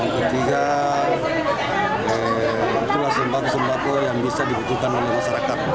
ketiga itulah sembako sembako yang bisa dibutuhkan oleh masyarakat